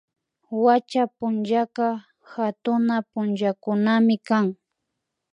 Wacha punllaka hatuna punllakunamikan